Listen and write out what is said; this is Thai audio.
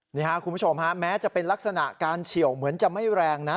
นี่ครับคุณผู้ชมฮะแม้จะเป็นลักษณะการเฉียวเหมือนจะไม่แรงนะ